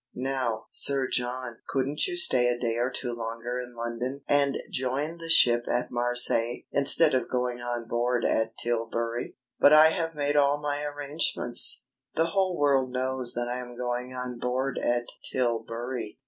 "Now, Sir John, couldn't you stay a day or two longer in London and join the ship at Marseilles instead of going on board at Tilbury?" "But I have made all my arrangements. The whole world knows that I am going on board at Tilbury."